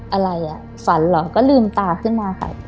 อะไรอ่ะฝันเหรอก็ลืมตาขึ้นมาค่ะ